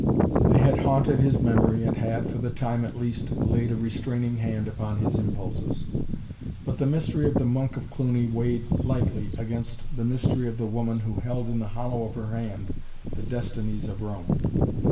They had haunted his memory and had, for the time at least, laid a restraining hand upon his impulses. But the mystery of the Monk of Cluny weighed lightly against the mystery of the woman who held in the hollow of her hand the destinies of Rome.